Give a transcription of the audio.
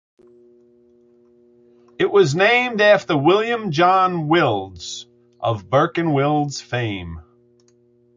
It was named after William John Wills of Burke and Wills fame.